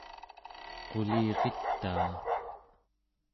quliritaa